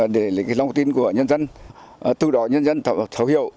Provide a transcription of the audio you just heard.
để lấy cái lông tin của nhân dân từ đó nhân dân thấu hiệu